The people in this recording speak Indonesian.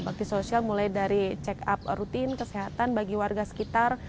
bakti sosial mulai dari check up rutin kesehatan bagi warga sekitar